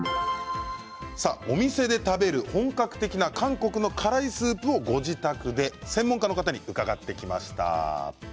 お店食べる本格的な韓国の辛いスープをご自宅で専門家の方に伺ってきました。